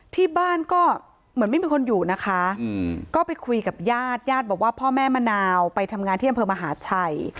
ที่บ้านก็เหมือนไม่มีคนอยู่นะคะก็ไปคุยกับญาติญาติบอกว่าพ่อแม่มะนาวไปทำงานที่อำเภอมหาชัย